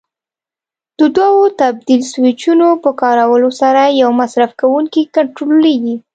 د دوو تبدیل سویچونو په کارولو سره یو مصرف کوونکی کنټرولېږي.